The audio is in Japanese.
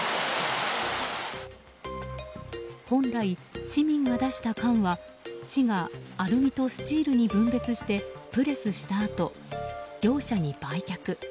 本来、市民が出した缶は市がアルミとスチールに分別してプレスしたあと業者に売却。